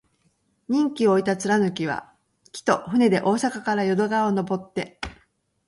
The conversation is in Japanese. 任期を終えた貫之は、帰途、船で大阪から淀川をのぼって、